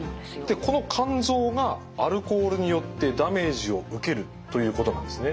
でこの肝臓がアルコールによってダメージを受けるということなんですね。